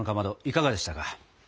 いかがでしたか？